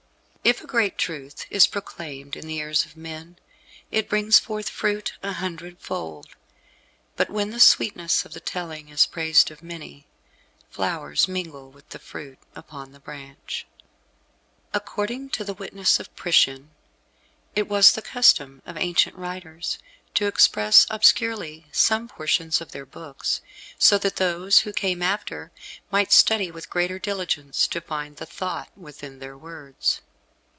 If a great truth is proclaimed in the ears of men, it brings forth fruit a hundred fold; but when the sweetness of the telling is praised of many, flowers mingle with the fruit upon the branch. According to the witness of Priscian, it was the custom of ancient writers to express obscurely some portions of their books, so that those who came after might study with greater diligence to find the thought within their words.